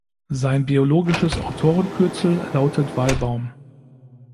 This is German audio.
Sein biologisches Autorenkürzel lautet „Walbaum“.